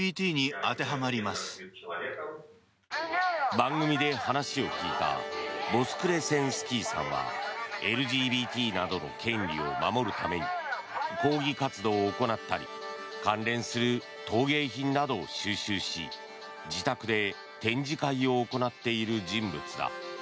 番組で話を聞いたボスクレセンスキーさんはＬＧＢＴなどの権利を守るために抗議活動を行ったり関連する陶芸品などを収集し自宅で展示会を行っている人物だ。